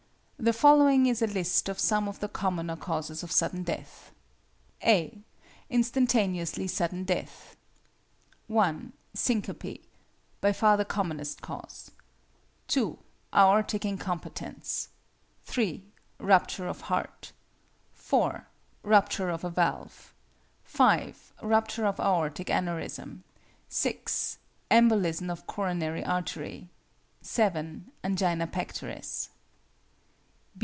The following is a list of some of the commoner causes of sudden death: (a) =Instantaneously Sudden Death= 1. Syncope (by far the commonest cause). 2. Aortic incompetence. 3. Rupture of heart. 4. Rupture of a valve. 5. Rupture of aortic aneurism. 6. Embolism of coronary artery. 7. Angina pectoris.